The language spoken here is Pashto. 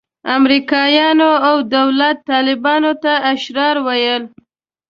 امریکایانو او دولت طالبانو ته اشرار ویل.